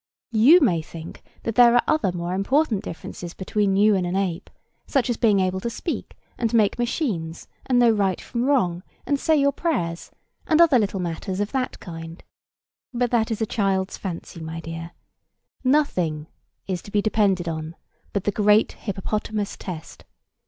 You may think that there are other more important differences between you and an ape, such as being able to speak, and make machines, and know right from wrong, and say your prayers, and other little matters of that kind; but that is a child's fancy, my dear. Nothing is to be depended on but the great hippopotamus test.